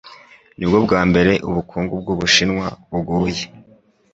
nibwo bwa mbere ubukungu bw'Ubushinwa buguye